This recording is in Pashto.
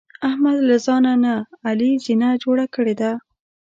احمد له ځان نه علي زینه جوړه کړې ده.